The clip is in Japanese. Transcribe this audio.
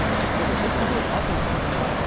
最近ちょっとはやってますよね海外で。